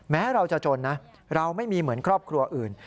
แม้เราจะจนนะเราไม่มีเหมือนครอบครัวอื่น